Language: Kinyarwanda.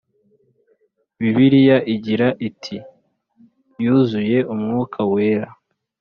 ; Bibiliya igira iti “yuzuye umwuka wera,